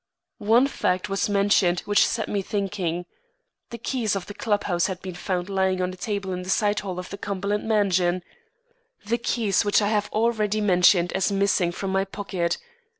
One fact was mentioned which set me thinking. The keys of the club house had been found lying on a table in the side hall of the Cumberland mansion the keys which I have already mentioned as missing from my pocket.